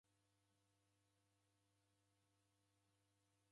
Ofisi reka rifungilo.